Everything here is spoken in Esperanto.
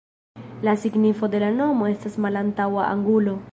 La signifo de la nomo estas "malantaŭa angulo".